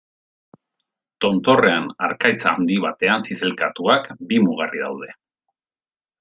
Tontorrean, harkaitz handi batean zizelkatuak, bi mugarri daude.